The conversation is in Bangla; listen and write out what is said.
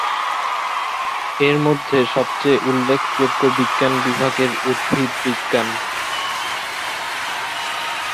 এর মধ্যে সবচেয়ে উল্লেখযোগ্য বিজ্ঞান বিভাগ এর উদ্ভিদ বিজ্ঞান।